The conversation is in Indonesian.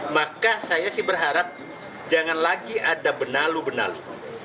maka saya sih berharap jangan lagi ada benalu benalu